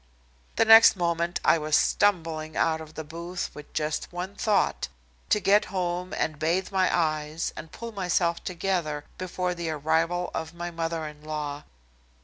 The next moment I was stumbling out of the booth with just one thought, to get home and bathe my eyes and pull myself together before the arrival of my mother in law.